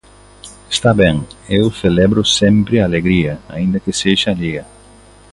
Está ben, eu celebro sempre a alegría, aínda que sexa allea.